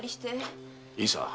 いいさ。